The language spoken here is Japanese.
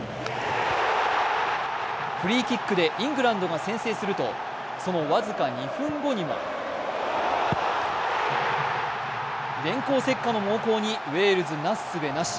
フリーキックでイングランドが先制するとその僅か２分後には電光石火の猛攻にウェールズなすすべなし。